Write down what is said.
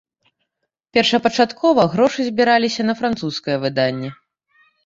Першапачаткова грошы збіраліся на французскае выданне.